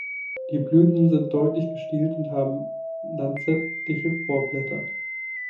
Die Blüten sind deutlich gestielt und haben lanzettliche Vorblätter.